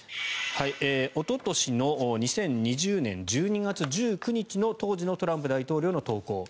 おととしの２０２０年１２月１９日の当時のトランプ大統領の投稿。